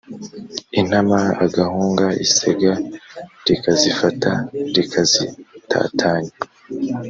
intama agahunga isega rikazifata rikazitatanya